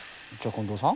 近藤さん。